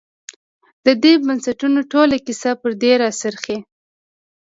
د دې بنسټونو ټوله کیسه پر دې راڅرخي.